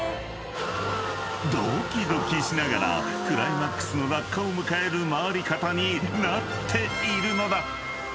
［ドキドキしながらクライマックスの落下を迎える回り方になっているのだ］